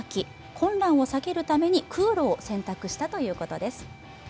混乱を避けるために空路を選択したということです。